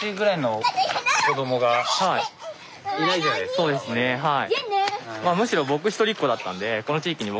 そうですねはい。